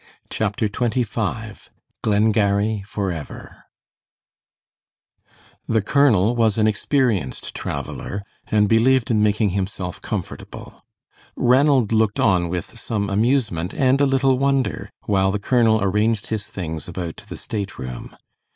CHAPTER XXV GLENGARRY FOREVER The colonel was an experienced traveler, and believed in making himself comfortable. Ranald looked on with some amusement, and a little wonder, while the colonel arranged his things about the stateroom.